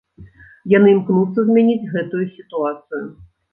Яны імкнуцца змяніць гэтую сітуацыю.